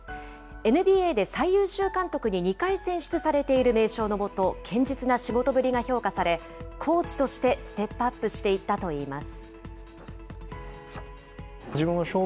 ＮＢＡで最優秀監督に２回選出されている名将の下、堅実な仕事ぶりが評価され、コーチとしてステップアップしていったといいます。